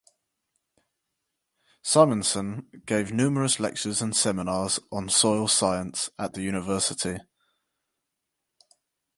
Simonson gave numerous lectures and seminars on soil science at the university.